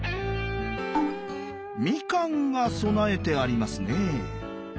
みかんが供えてありますね。